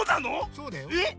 そうだよ。えっ？